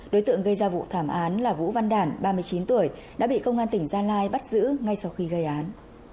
đối tượng gây ra vụ thảm án là vũ văn đản ba mươi chín tuổi đã bị công an tỉnh gia lai bắt giữ ngay sau khi gây án